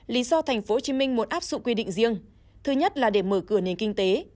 lý do tp hcm muốn áp dụng quy định riêng thứ nhất là để mở cửa nền kinh tế